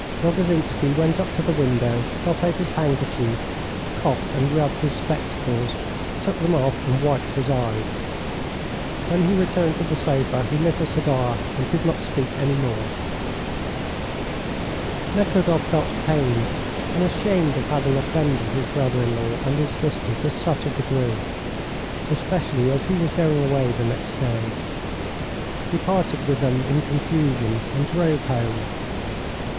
Rogozhinsky went up to the window, got out his handkerchief, coughed and rubbed his spectacles, took them off, and wiped his eyes. When he returned to the sofa he lit a cigar, and did not speak any more. Nekhludoff felt pained and ashamed of having offended his brother in law and his sister to such a degree, especially as he was going away the next day. He parted with them in confusion, and drove home.